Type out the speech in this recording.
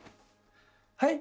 はい？